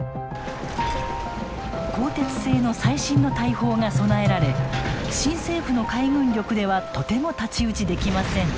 鋼鉄製の最新の大砲が備えられ新政府の海軍力ではとても太刀打ちできません。